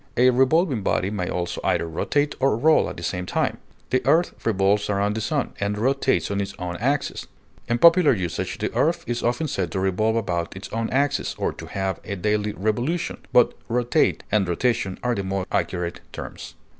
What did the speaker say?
A revolving body may also either rotate or roll at the same time; the earth revolves around the sun, and rotates on its own axis; in popular usage, the earth is often said to revolve about its own axis, or to have a daily "revolution," but rotate and "rotation" are the more accurate terms.